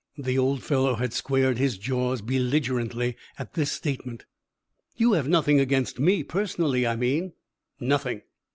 The old fellow had squared his jaws belligerently at this statement. "You have nothing against me personally, I mean?" "Nothing."